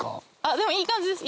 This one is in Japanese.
でもいい感じです。